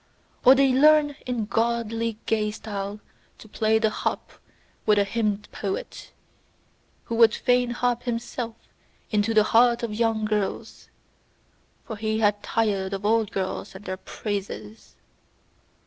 Or they learn in godly gay style to play the harp with a hymn poet, who would fain harp himself into the heart of young girls: for he hath tired of old girls and their praises.